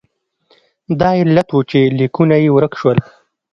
دا علت و چې لیکونه یې ورک شول.